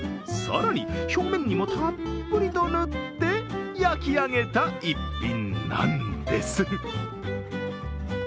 更に表面にもたっぷりと塗って焼き上げた一品なんです。